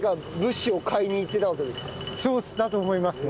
そうだと思いますね。